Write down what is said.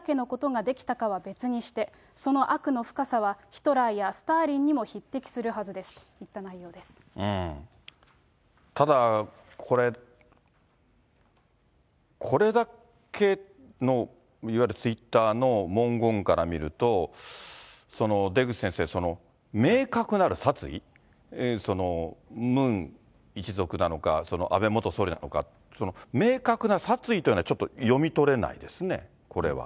実際にどれだけのことはできたかは別にして、その悪の深さはヒトラーやスターリンにも匹敵するはずですといっただ、これ、これだけのいわゆるツイッターの文言から見ると、出口先生、明確なる殺意、ムン一族なのか、安倍元総理なのか、明確な殺意というのはちょっと読み取れないですね、これは。